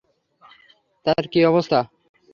তার কী অবস্থা?